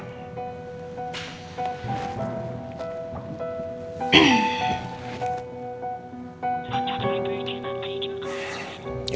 aku mau telepon anu dulu bentar